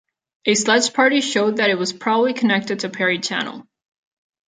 A sledge party showed that it was probably connected to Parry Channel.